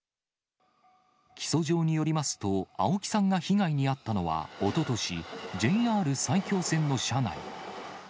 起訴状によりますと、青木さんが被害に遭ったのはおととし、ＪＲ埼京線の車内。